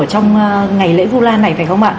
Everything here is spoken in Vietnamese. trong ngày lễ vu lan này phải không ạ